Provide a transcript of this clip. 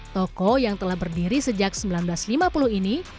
toko yang telah berdiri sejak seribu sembilan ratus lima puluh ini